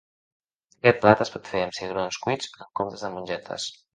Aquest plat es pot fer amb cigrons cuits en comptes de mongetes.